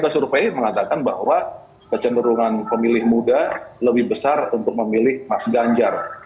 dan survei mengatakan bahwa kecenderungan pemilih muda lebih besar untuk memilih mas ganjar